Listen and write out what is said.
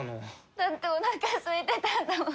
だっておなかすいてたんだもん。